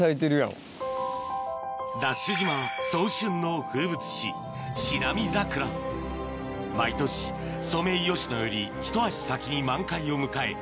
ＤＡＳＨ島早春の風物詩毎年ソメイヨシノよりひと足先に満開を迎え